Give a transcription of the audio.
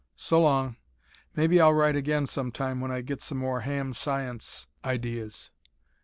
S'long. Maybe I'll write again sometime when I get some more "ham science" ideas.